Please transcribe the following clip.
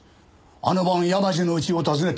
あの晩山路の家を訪ねて。